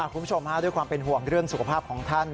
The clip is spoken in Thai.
คุณผู้ชมด้วยความเป็นห่วงเรื่องสุขภาพของท่าน